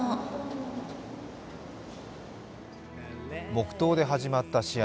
黙とうで始まった試合。